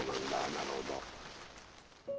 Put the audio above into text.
なるほど。